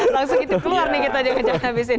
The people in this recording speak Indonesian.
langsung ngintip keluar nih kita jangan kecap habis ini